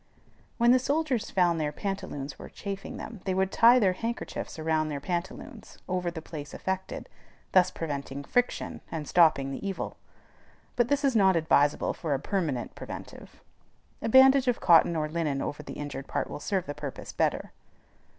When the soldiers found their pantaloons were chafing them, they would tie their handkerchiefs around their pantaloons, over the place affected, thus preventing friction, and stopping the evil; but this is not advisable for a permanent preventive. A bandage of cotton or linen over the injured part will serve the purpose better.